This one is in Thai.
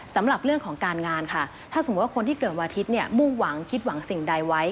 สำหรับเรื่องของการงานค่ะถ้าสมมุติว่าคนที่เกิดวันอาทิตย์เนี่ยมุ่งหวังคิดหวังสิ่งใดไว้